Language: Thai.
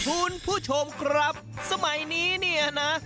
คุณผู้ชมครับสมัยนี้เนี่ยนะ